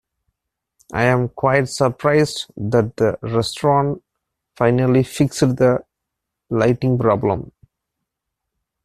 I am quite surprised that the restaurant finally fixed the lighting problem.